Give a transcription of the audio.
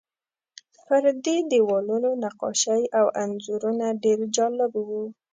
پر دې دیوالونو نقاشۍ او انځورونه ډېر جالب وو.